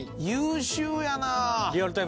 優秀やなあ。